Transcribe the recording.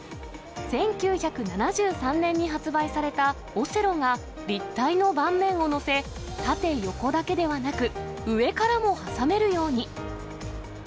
１９７３年に発売されたオセロが、立体の盤面を載せ、縦、横だけではなく、上からも挟めるように。